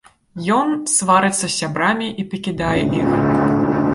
Ён сварыцца з сябрамі і пакідае іх.